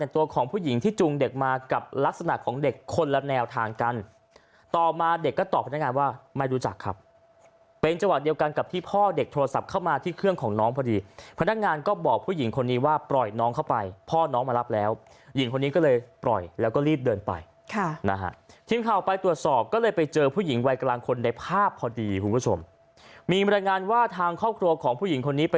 ที่จูงเด็กมากับลักษณะของเด็กคนละแนวทางกันต่อมาเด็กก็ตอบพนักงานว่าไม่รู้จักครับเป็นเจาะเดียวกันกับที่พ่อเด็กโทรศัพท์เข้ามาที่เครื่องของน้องพอดีพนักงานก็บอกผู้หญิงคนนี้ว่าปล่อยน้องเข้าไปพ่อน้องมารับแล้วหญิงคนนี้ก็เลยปล่อยแล้วก็รีบเดินไปค่ะนะฮะทีมข่าวไปตรวจสอบก็เลยไปเจอผู้หญ